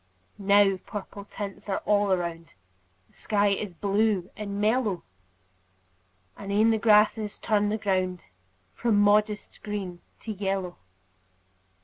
Now purple tints are all around; The sky is blue and mellow; And e'en the grasses turn the ground From modest green to yellow.